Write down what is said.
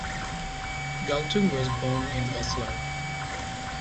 Galtung was born in Oslo.